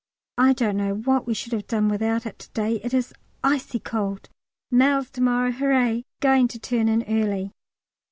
I don't know what we should have done without it to day; it is icy cold. Mails to morrow, hurrah! Going to turn in early.